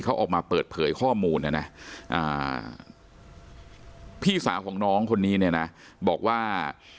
เขาออกมาเปิดเผยข้อมูลนะนะพี่สาวของน้องคนนี้เนี่ยนะบอกว่า